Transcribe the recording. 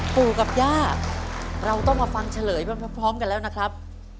ปู่กับย่าเราต้องมาฟังเฉลยพร้อมกันแล้วนะครับ